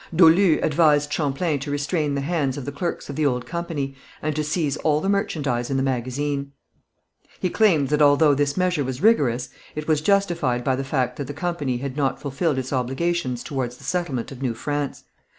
Dolu advised Champlain to restrain the hands of the clerks of the old company, and to seize all the merchandise in the magazine. He claimed that although this measure was rigorous, it was justified by the fact that the company had not fulfilled its obligations towards the settlement of New France.